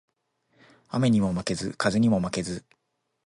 雨ニモ負ケズ、風ニモ負ケズ